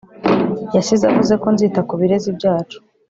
yasize avuze ko nzita ku birezi byacu